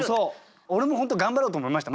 俺も本当頑張ろうと思いました。